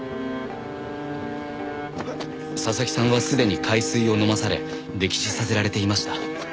佐々木さんはすでに海水を飲まされ溺死させられていました。